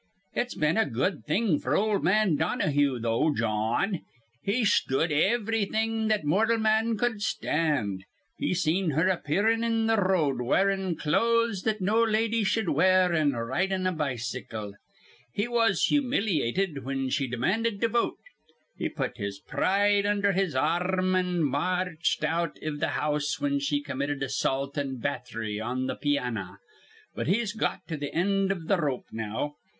"It's been a good thing f'r ol' man Donahue, though, Jawn. He shtud ivrything that mortal man cud stand. He seen her appearin' in th' road wearin' clothes that no lady shud wear an' ridin' a bicycle; he was humiliated whin she demanded to vote; he put his pride under his ar rm an' ma arched out iv th' house whin she committed assault an' batthry on th' piannah. But he's got to th' end iv th' rope now.